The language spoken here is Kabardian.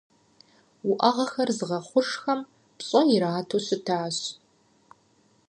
Уӏэгъэхэр зыгъэхъужхэм пщӏэ ирату щытащ.